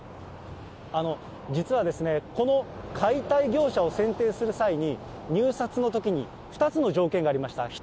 実はですね、この解体業者を選定する際に、入札のときに、２つの条件がありました。